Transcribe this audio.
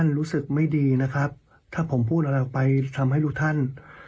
รู้สึกไม่ดีนะครับถ้าผมพูดอะไรออกไปทำให้ทุกท่าน